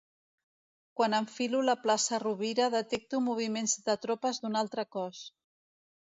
Quan enfilo la plaça Rovira detecto moviments de tropes d'un altre cos.